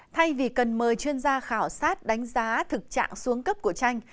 thay vì cần mời chuyên gia khảo sát đánh giá thực trạng xuống cấp của tranh